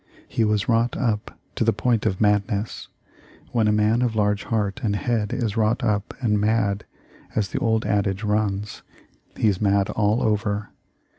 He was wrought up to the point of madness. When a man of large heart and head is wrought up and mad, as the old adage runs, "he's mad all over."